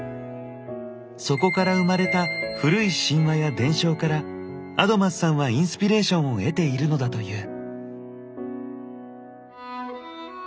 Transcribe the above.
そこから生まれた古い神話や伝承からアドマスさんはインスピレーションを得ているのだという。